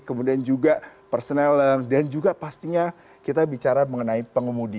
kemudian juga personalan dan juga pastinya kita bicara mengenai pengemudi